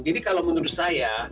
jadi kalau menurut saya